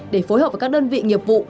để phối hợp với các đơn vị nghiệp vụ